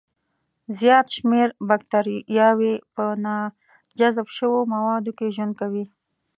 زیات شمېر بکتریاوي په ناجذب شوو موادو کې ژوند کوي.